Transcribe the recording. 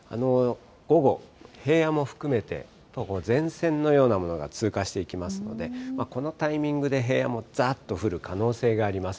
午後、平野も含めて、前線のようなものが通過していきますので、このタイミングで平野もざっと降る可能性があります。